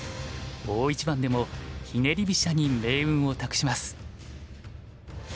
大一番でもひねり飛車に命運を託します。